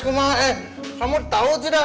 kamu tau tidak